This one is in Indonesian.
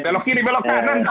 belok kiri belok kanan